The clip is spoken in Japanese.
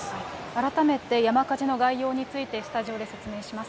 改めて山火事の概要について、スタジオで説明します。